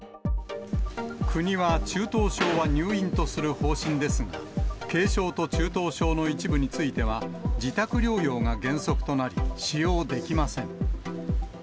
国は中等症は入院とする方針ですが、軽症と中等症の一部については自宅療養が原則となり、使用できません。